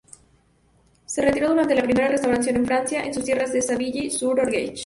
Se retiró durante la Primera Restauración en Francia, en sus tierras de Savigny-Sur-Orge.